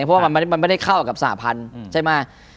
เพราะว่ามันไม่ได้เข้ากับสหพันธุ์ใช่ไหม